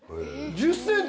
１０ｃｍ！